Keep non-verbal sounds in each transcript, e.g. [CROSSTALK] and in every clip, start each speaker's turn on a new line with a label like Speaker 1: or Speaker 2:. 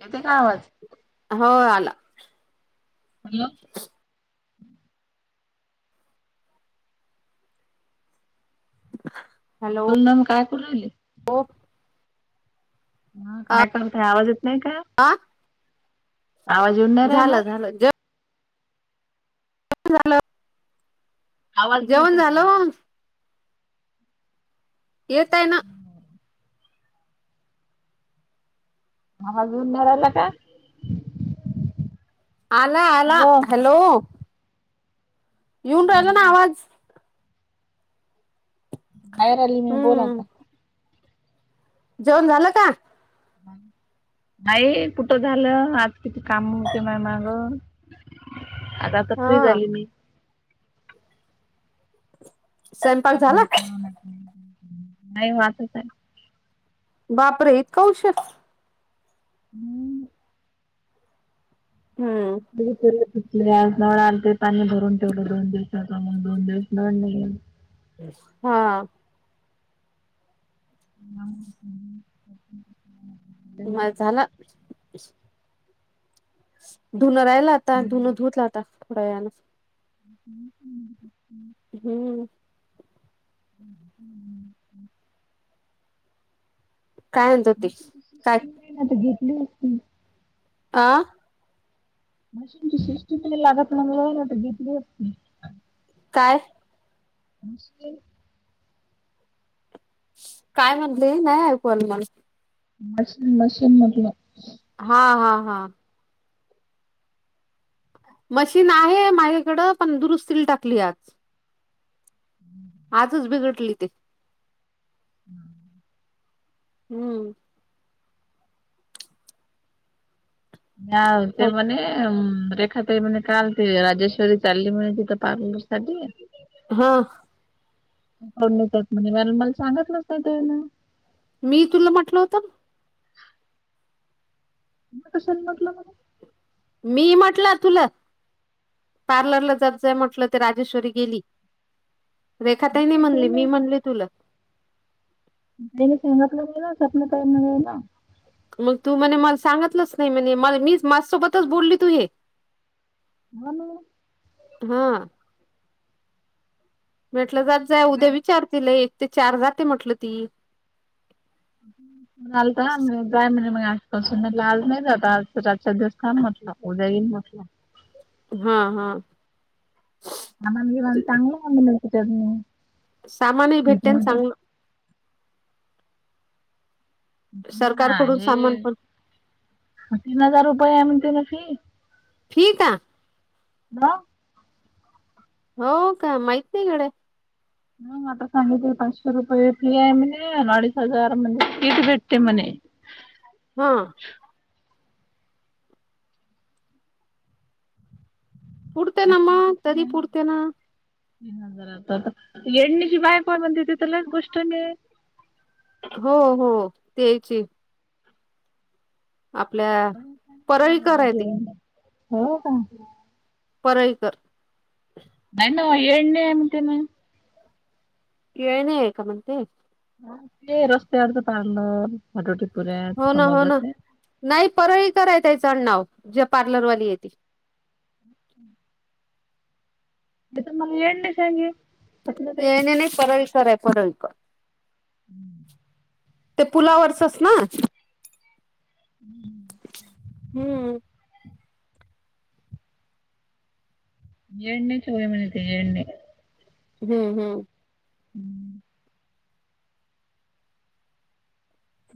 Speaker 1: येते का आवाज
Speaker 2: हो आला
Speaker 1: हॅलो
Speaker 2: हॅलो
Speaker 1: बोल ना म काय करून राहीली हा काय करताय आवाज येत नाही काय
Speaker 2: आ
Speaker 1: आवाज येवून नाई राहीला
Speaker 2: झालं जेवण [UNINTELLIGIBLE]
Speaker 1: आवाज नाही येत
Speaker 2: जेवण
Speaker 1: होता.
Speaker 2: झाल मग येताय ना
Speaker 1: आवाज येऊन नही राहीला काय
Speaker 2: आला आला हॅलो येऊन राहिल ना आवाज
Speaker 1: बाहीर अली मी बोल
Speaker 2: हम्म
Speaker 1: अता
Speaker 2: जेवण झालं का
Speaker 1: नाही कुठं झालं आज किती काम होती माया माग आता आता फ्री
Speaker 2: हा
Speaker 1: झाली मी
Speaker 2: स्वयंपाक
Speaker 1: आता
Speaker 2: झाला
Speaker 1: नाही वाचतय
Speaker 2: बापर इतकौश
Speaker 1: [INAUDIBLE]
Speaker 2: हम्म
Speaker 1: [UNINTELLIGIBLE] आज नळ आल ते पाणी भरून ठेवलं दोन दिवसाचा मग दोन दिवस नळ नाही येल
Speaker 2: हा म झालं धुनं राहियला आता धुनं धुत आता थोड्या वेनें
Speaker 1: हम्म्म्
Speaker 2: हम्म
Speaker 1: ह हम्
Speaker 2: काय अत होते
Speaker 1: मशीनची
Speaker 2: काय
Speaker 1: सिस्टीम नाही ना घेतली
Speaker 2: आं
Speaker 1: ममची शिष्ट मला लागत ना घेतली
Speaker 2: काय
Speaker 1: मुशक
Speaker 2: काय म्हणले नाही ऐकवाल मण
Speaker 1: मशीन मशीन मतलं
Speaker 2: हा हा हा मशीन आहे माझ्याकडं पण दुरुस्तीला टाकली आज
Speaker 1: हम्म
Speaker 2: आजच बिघडली ते
Speaker 1: हम्म
Speaker 2: हम्म
Speaker 1: या ते मम रेखा म्हणे काल ते राजेश्वरी चालली म्हणे तिथं पार्लर साठी
Speaker 2: हा
Speaker 1: कोडस म्हण मला सांगतलंच नाही त्याला
Speaker 2: मी तुला म्हटलं होतं
Speaker 1: कशाला मगलं म्ह
Speaker 2: मी म्हटलं तुला पार्लरला जाातचंय म्हटलं ते राजेश्वरी गेली रेखा तही नाही म्हणली मी म्हणली तुला
Speaker 1: नाहीई सांगत नाहीग ना स्वपन ट नगला
Speaker 2: मग तू म्हणे मला सांगितलंच नाही म्हणे मला मी माझसोबतच बोलली तू हे
Speaker 1: म्हणू
Speaker 2: हा म्हटलं जात जा उद्या विचारतीलला एक ते चार जाते म्हटलं ती
Speaker 1: [UNINTELLIGIBLE]
Speaker 2: हा हा.
Speaker 1: आ मम ग वण तांला अंग नकीतात.
Speaker 2: सामानही भेटतेन चांगल.
Speaker 1: हा,
Speaker 2: सरकारकडून सामान
Speaker 1: हे
Speaker 2: पण.
Speaker 1: तीन हजार रुपये म्हणती ना फि.
Speaker 2: ठीक आ.
Speaker 1: ह.
Speaker 2: हो का माहित नाहीकडे.
Speaker 1: ह आता सांगित पाचशे रुपये फी आहे म्ह अडीच हजार म्हणजे किट भेटते म्हणे
Speaker 2: हा पुढतेन्
Speaker 1: पाचशे
Speaker 2: तरी पुढतेना
Speaker 1: ती हजार येडणीची बाय कोण म्हणते तथलाच गोष्ट मी
Speaker 2: हो हो त्यायचे. आपल्या परळीकर आहे ते.
Speaker 1: हो का.
Speaker 2: परळीकर.
Speaker 1: नन एडण आमतीन. [UNINTELLIGIBLE]
Speaker 2: येणे आहे का मग ते.
Speaker 1: ह ते रस्त्यावरच पाडलं हटवट पुऱ्यात
Speaker 2: हो ना
Speaker 1: समोर
Speaker 2: हो ना
Speaker 1: जाते.
Speaker 2: नाही परळीकर आहे त्यांच आडनाव ज्या पार्लरवाली आहेत.
Speaker 1: [INAUDIBLE] म तुम्हाला एण कागे [UNINTELLIGIBLE]
Speaker 2: येने नाही परळीकर आहे परळीकर.
Speaker 1: [UNINTELLIGIBLE]
Speaker 2: ते पुलावरचचना.
Speaker 1: [UNINTELLIGIBLE] एडणे चवेय म्हणे ते येडणे.
Speaker 2: हो हो.
Speaker 1: [UNINTELLIGIBLE]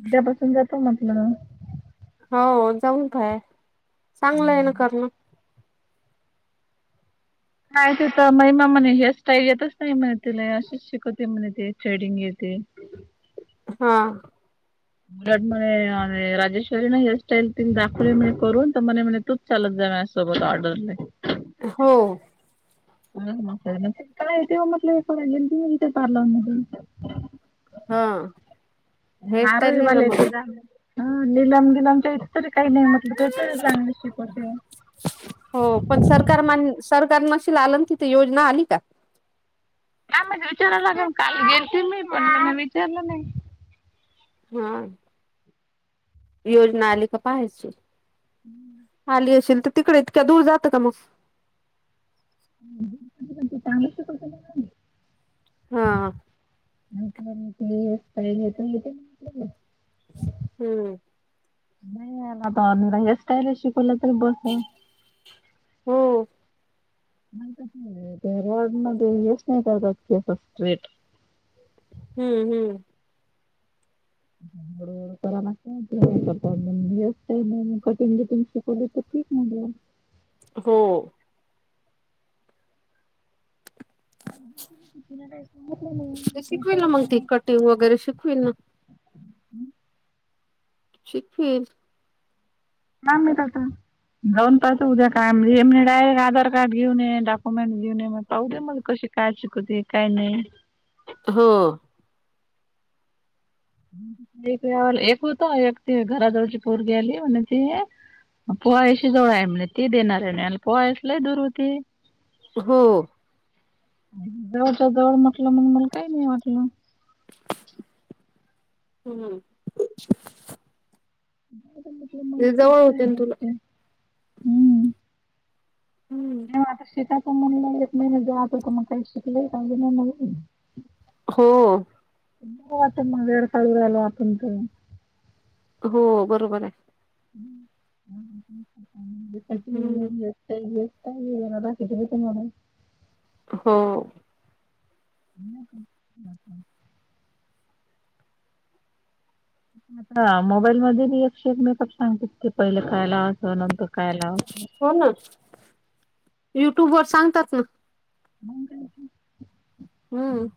Speaker 1: उद्यापासून जातो म्हटलं.
Speaker 2: हो जाऊन काय चांगलं आहे
Speaker 1: हम्म.
Speaker 2: ना करण.
Speaker 1: नाही ते तर महिमा म्हणे हेअर स्टाईल येतच नाही म्हणे तिला अशिश शिकवते म्हणे ते ट्रेडिंग येते.
Speaker 2: [INAUDIBLE] हा.
Speaker 1: म्हणे राजेश्वरी ना हेअरस्टाईल तिन दाखवली म्हणे करून तर म्हणे तू. चालत जाय माझ्यासोबत ऑर्डरले.
Speaker 2: हो.
Speaker 1: ह का य ते म्हटलं कोणा गल पारला [UNINTELLIGIBLE]
Speaker 2: हा हेअरस्टाईल
Speaker 1: आरही
Speaker 2: नाही
Speaker 1: भलेेत तु
Speaker 2: जमत
Speaker 1: जा. हा लयी लामचे लामचे आहे तरी काही नाही मग. ते तरी चांगलं शिकवते.
Speaker 2: हो पण सरकार मान सरकार मशीन आलंन तिथ योजना आली का?
Speaker 1: काय माहित विचारा लागन काल गेलती मी पण विचारलं नाही.
Speaker 2: हा. योजना आली का पाहायची आली अशील तर तिकडे इतक्या दूर जात का मग?
Speaker 1: चांगलं. [UNINTELLIGIBLE]
Speaker 2: हा.
Speaker 1: स पाहिलेेत घेते. [UNINTELLIGIBLE]
Speaker 2: हम्म.
Speaker 1: नाही न आता हेअरस्टाईल शिकवलं तर बसं आहे.
Speaker 2: हो.
Speaker 1: रोड मध्ये यश नाही येत अस स्ट्रेट.
Speaker 2: हम्म हम्म.
Speaker 1: ड तर ना. [UNINTELLIGIBLE] हेअर स्टाईल, कटीग गिटीग शिकवली तर शिकुन घे [UNINTELLIGIBLE]
Speaker 2: हो.
Speaker 1: तती का [UNINTELLIGIBLE]
Speaker 2: ते शिकवल ना मग ती कटिंग वगैरे शिकवेल ना. शिकवील.
Speaker 1: काय माहित आता. जाऊन पाहतो उद्या काय हे म्हणे डायरेक्ट आधार कार्ड घेऊ ये डॉक्युमेंट घेऊन ये. पाहुदे मग कशी काय शिकवते काय नाही.
Speaker 2: हो
Speaker 1: एक होत एक ती घराजवळची पोरगी आली म्हण ते पोहायशी जवळ आहे म्हणे ते देणार आहे म्हणे. आणि पोहायस लय दूर होते.
Speaker 2: हो
Speaker 1: जवळच्या जवळ म्हटलं मग मला काही नाही वाटलं.
Speaker 2: हम्म
Speaker 1: [INAUDIBLE]
Speaker 2: ते जवळ
Speaker 1: आहे
Speaker 2: होते ना तुला.
Speaker 1: बघते हम्म.
Speaker 2: हम्म.
Speaker 1: [UNINTELLIGIBLE]
Speaker 2: हो हो
Speaker 1: का आता मग वेळ काढू राहिलो आपण इथ.
Speaker 2: हो बरोबर आहे.
Speaker 1: [UNINTELLIGIBLE]
Speaker 2: हम्म.
Speaker 1: [UNINTELLIGIBLE]
Speaker 2: हो
Speaker 1: [INAUDIBLE] [INAUDIBLE] हा मोबाईल मध्ये मी एकशे एक मेकअप सांगते की. पहिलं काय लावायच नंतर काय लावायच.
Speaker 2: हो ना. युट्युब वर सांगतात ना.
Speaker 1: [INAUDIBLE]
Speaker 2: हम्म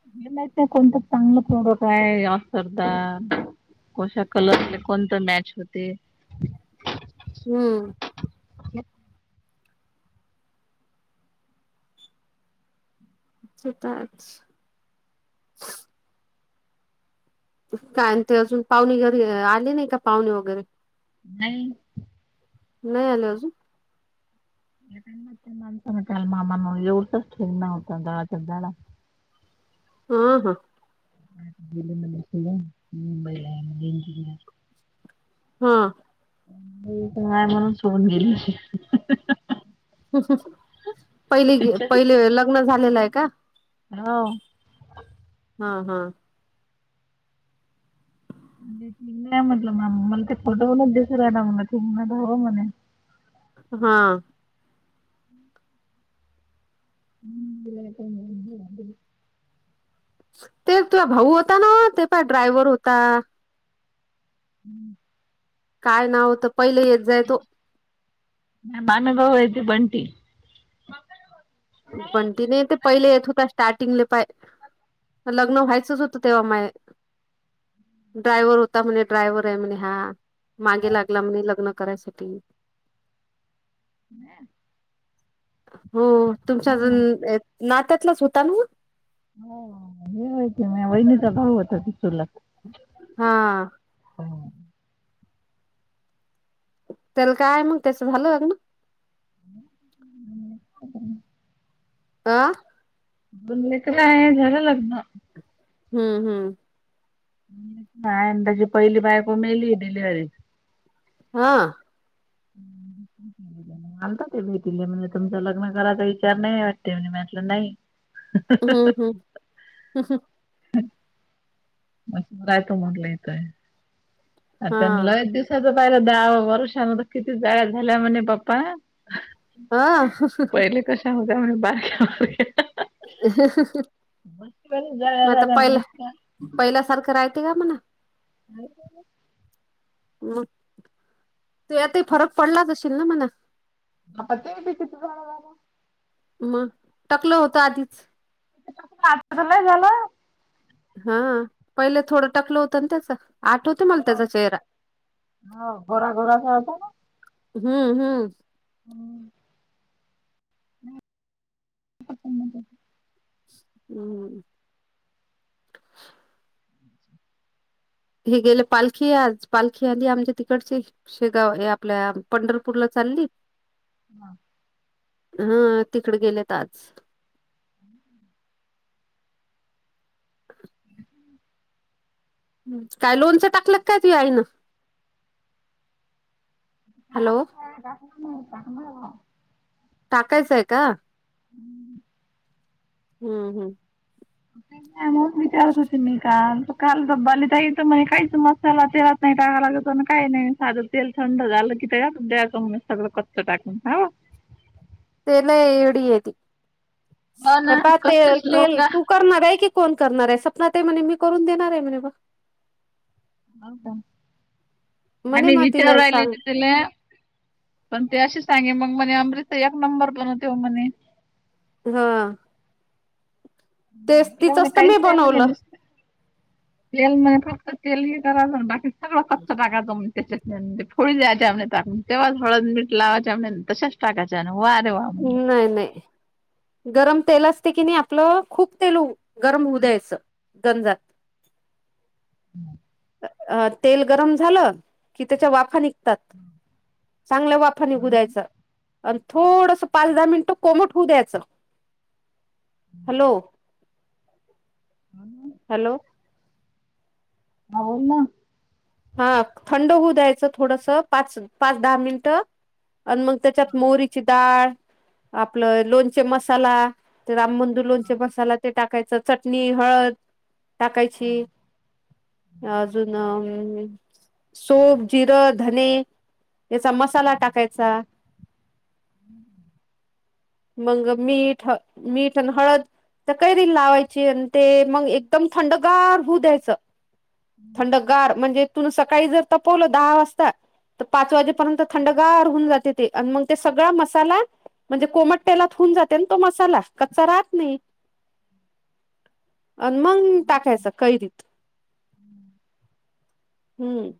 Speaker 1: [UNINTELLIGIBLE] कशा कलरले कोणत मॅच होते.
Speaker 2: हम्म ते तर आहेच. काय ते अजून पाहुणे घरी आले नाही का पाहुणे वगैरे.
Speaker 1: नाही
Speaker 2: नाही आले अजून.
Speaker 1: [UNINTELLIGIBLE]
Speaker 2: हा हा
Speaker 1: [UNINTELLIGIBLE]
Speaker 2: हा
Speaker 1: मी इथे आहे म्हणून सोडून गेली.
Speaker 2: पहिली गे पहिले लग्न झालेलं आहे का?
Speaker 1: [UNINTELLIGIBLE]
Speaker 2: हा हा
Speaker 1: [UNINTELLIGIBLE]
Speaker 2: हा
Speaker 1: [UNINTELLIGIBLE]
Speaker 2: ते तुझा भाऊ होता ना. ते पाय ड्रायव्ह होता.
Speaker 1: [INAUDIBLE]
Speaker 2: काय नाव होतं. पहिले येत जाय तो.
Speaker 1: माझा मामेभाऊ आहे तो बंटी.
Speaker 2: बंटी नाही तो पहिले येत होता स्टार्टिंगले पाहय. लग्न व्हायचंच होतं तेव्हा माये. ड्रायव्हर होता म्हणे, ड्रायव्हर आहे म्हणे हा. मागे लागला म्हणे लग्न करायसाठी.
Speaker 1: [UNINTELLIGIBLE]
Speaker 2: हो हो तुमच्या
Speaker 1: हा
Speaker 2: अजून नात्यातलाच होता ना व.
Speaker 1: हो हे माहीती आहे मह्या वहिनी चा भाऊ होता तो चुलत.
Speaker 2: हा
Speaker 1: [INAUDIBLE]
Speaker 2: तेल काय मग त्याच झालं लग्न?
Speaker 1: [INAUDIBLE]
Speaker 2: आ?
Speaker 1: दोन लेकर आहे झालं लग्न.
Speaker 2: हम्म हम्म.
Speaker 1: त्याची पहिली बायकोेली डिलिव्हरीत.
Speaker 2: हा. [INAUDIBLE]
Speaker 1: लत ते भेटीले म्हणजे तुमच लग्न करायचा विचार नाही वाटते म्ह म्हटलं नाही.
Speaker 2: हम्म हम् ह हं.
Speaker 1: म राय तो म्हटलं येथय. त्यां ल
Speaker 2: हा
Speaker 1: दिसाच पाहिला द वर्षमध्ये किती जाळ्या झाल्या म्हणे पप्पा.
Speaker 2: ह
Speaker 1: पहिले कशा होत्या म्ह बारका्या
Speaker 2: म
Speaker 1: जाळ्या
Speaker 2: आता
Speaker 1: झाल्या म्हणे
Speaker 2: पहिला पहिल्यासारखं राहते का मणा?
Speaker 1: [INAUDIBLE]
Speaker 2: म तू आताही फरक पडलाच असशेीलल ना मणा.
Speaker 1: ह प ते प चित काणा
Speaker 2: मग टकलं होतं आधीच.
Speaker 1: आता तर लय झालं.
Speaker 2: हा पहिले थोडं टाकलं होतं ना त्याच? आठवते मला त्याचा चेहरा.
Speaker 1: हो गोरा गोरासा होता
Speaker 2: हम्म हम्म.
Speaker 1: [INAUDIBLE]
Speaker 2: हम्म [INAUDIBLE] हे गेले पालखी आज पालखी आध आमच्या तिकडची शेगाव हे आपल्या पंढरपूरला चालली
Speaker 1: [INAUDIBLE]
Speaker 2: हा तिकडे गेलेत आज
Speaker 1: [INAUDIBLE]
Speaker 2: [INAUDIBLE] काय लोनचं टाकलंत काय तुझा आईन? हॅलो
Speaker 1: [UNINTELLIGIBLE]
Speaker 2: टाकायचंय का?
Speaker 1: [INAUDIBLE]
Speaker 2: हम्म हम्
Speaker 1: नाही म्हणून विचारत होती मी काम. काल तबाली जाचं म्हणज काहीच मसाला तेलात नाही टाकाय लागत तो काही नाही साध तेल थंड झाल कि त्या कून सगळं कच टाकून हा
Speaker 2: ते लय यडी ये ती
Speaker 1: हो
Speaker 2: हे
Speaker 1: ना
Speaker 2: पा ते
Speaker 1: कच्चेच लोक
Speaker 2: तेल
Speaker 1: आ.
Speaker 2: तू करणार आहे, की कोण करणार आहे, सपना ताई म्हणे मी करून देणार आहे म्हणे बघ.
Speaker 1: हो का
Speaker 2: म्हणे
Speaker 1: आम्ही
Speaker 2: मग तिला
Speaker 1: विचारायले
Speaker 2: सांग
Speaker 1: तर तल्याव पण ते अशी सांगे मग मणे अमृता एकनंबर बनवतेव म्हणे.
Speaker 2: हा. तेच
Speaker 1: येवणे
Speaker 2: तिचंच तर
Speaker 1: कायच
Speaker 2: मी
Speaker 1: टाईम
Speaker 2: बनवलं
Speaker 1: नस्त तेल नाही फक्त तेल इ करा ना, बाकी सगळं फक्त टका जमवून. तशचंनंतर फोळी द्यायच्या त्यामध्ये टाकून तेंव्हाच हळद मीठ लावायच्या मग तशचं टाकायच्या वा रे वा. म्हणलं.
Speaker 2: नाही नाही गरम तेल असते की नाही आपलं खूप तेलो गरम होऊ द्यायचं गंजात. [INAUDIBLE]
Speaker 1: [INAUDIBLE]
Speaker 2: अ तेल गरम झालं की त्याच्या वाफा निघतात. चांगलं वाफा निघू द्यायचं आणि थोडस पाच दहा मिनिट कोमट होऊ द्यायचं, हॅलो
Speaker 1: [INAUDIBLE]
Speaker 2: हॅलो.
Speaker 1: ह बोल ना.
Speaker 2: हा थंड होऊ द्यायचं थोडस, पाच, पाच, दहा मिनिटं, आणि मग त्याच्यात मोरीची डाळ आपलं लोणचे मसाला ते राम मंंदूर लोणचे मसाला ते टाकायचं चटणी, हळद. टाकायची अजून अ सोप, जिरं, धने याचा मसाला टाकायचा.
Speaker 1: हम्म.
Speaker 2: मंग मीठ हळ आणि मीठ हळद. तर कैरीला लावायची आणि ते मग एकदम थंडगार होऊ द्यायचं. थंडगार म्हणजे तुन्हं सकाळी जर तपवलं दहा वाजता. तर पाच वाजेपर्यंत थंडगार होऊन जाते ते, आणि मग ते सगळा मसाला म्हणजे कोमट तेलात होऊन जाते ना तो मसाला, कच्चा राहत नाही. अन मंग टाकायचं कैरी. हम्म.